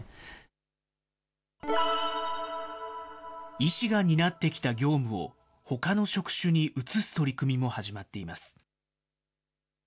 医師が担ってきた業務をほかの職種に移す取り組みも始まっています。